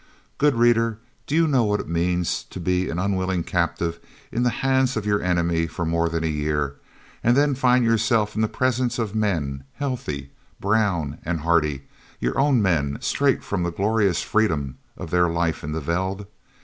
[Illustration: W.J. BOTHA] Good reader, do you know what it means to be an unwilling captive in the hands of your enemy for more than a year, and then to find yourself in the presence of men, healthy, brown, and hearty, your own men, straight from the glorious freedom of their life in the veld?